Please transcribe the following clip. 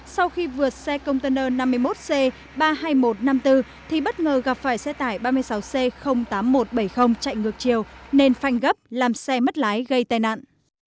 sau khi vượt xe container năm mươi một c ba mươi hai nghìn một trăm năm mươi bốn thì bất ngờ gặp phải xe tải ba mươi sáu c tám nghìn một trăm bảy mươi chạy ngược chiều nên phanh gấp làm xe mất lái gây tai nạn